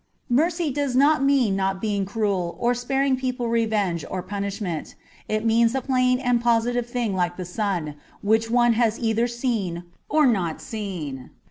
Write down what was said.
Mercy does not mean not being cruel or sparing people revenge or punishment : it means a plain and positive thing like the sun, which one has either seen or not seen.